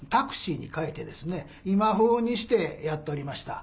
今風にしてやっておりました。